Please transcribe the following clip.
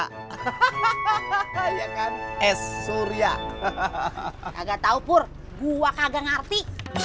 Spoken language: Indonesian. hahaha ya kan surya hahaha kagak tahu pur gua kagak ngerti